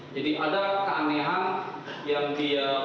jadi ada keanehan yang dia